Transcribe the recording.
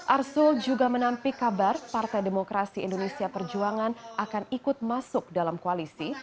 arsul juga menampik kabar partai demokrasi indonesia perjuangan akan ikut masuk dalam koalisi